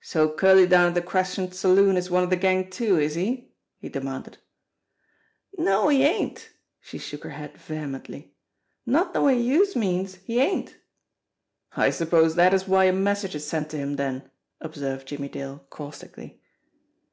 "So Curley down at the Crescent Saloon is one of the gang too, is he?" he demanded. "No ; he ain't !" She shook her head vehemently. "Not de way youse means, he ain't." "I suppose that is why a message is sent to him, then," observed Jimmie Dale caustically.